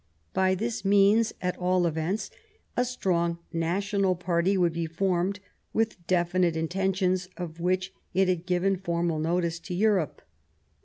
By this means, at all events, a strong national party would be formed, with definite in tentions of which it had given formal notice to Europe.